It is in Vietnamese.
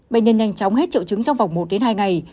bệnh nhân nhanh chóng hết triệu chứng trong vòng một đến hai ngày